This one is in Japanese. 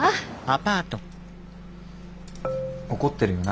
怒ってるよな。